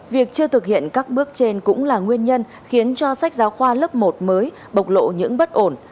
việc chưa thực hiện các bước trên cũng là nguyên nhân khiến cho sách giáo khoa lớp một mới bộc lộ những bất ổn